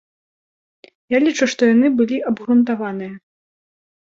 Я лічу, што яны былі абгрунтаваныя.